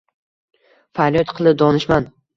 Faryod qildi donishmand.